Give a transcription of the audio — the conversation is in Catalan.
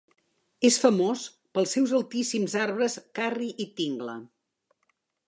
És famós pels seus altíssims arbres karri i tingle.